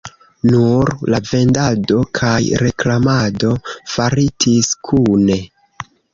Nur la vendado kaj reklamado faritis kune.